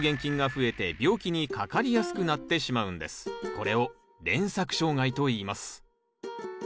これを連作障害といいます。